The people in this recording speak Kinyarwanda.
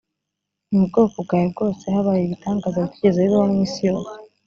mu bwoko bwawe bwose habaye ibitangaza bitigeze bibaho mu isi yose